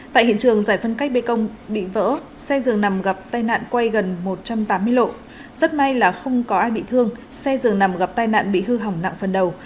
tại hiện trường giải phân cách bê tông bị vỡ xe dường nằm gặp tai nạn quay gần một trăm tám mươi lộ rất may là không có ai bị thương xe dường nằm gặp tai nạn bị hư hỏng nặng phần đầu